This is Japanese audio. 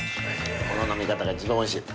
この飲み方が一番おいしい。